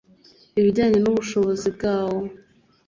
bijyanye n ubushobozi bwawo